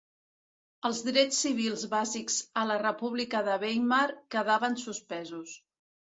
Els drets civils bàsics a la República de Weimar quedaven suspesos.